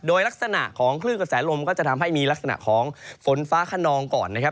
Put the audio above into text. โดยลักษณะของคลื่นกระแสลมก็จะทำให้มีลักษณะของฝนฟ้าขนองก่อนนะครับ